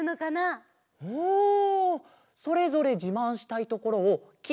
おそれぞれじまんしたいところをきれいにおていれしている！とか？